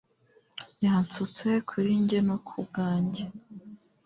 yansutse kuri njye no ku bwanjye